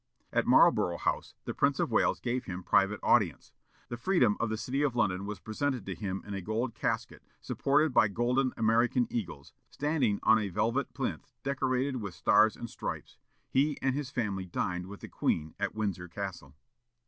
At Marlborough House, the Prince of Wales gave him private audience. The freedom of the city of London was presented to him in a gold casket, supported by golden American eagles, standing on a velvet plinth decorated with stars and stripes. He and his family dined with the Queen, at Windsor Castle.